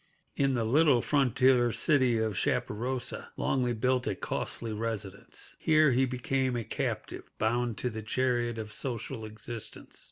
In the little frontier city of Chaparosa, Longley built a costly residence. Here he became a captive, bound to the chariot of social existence.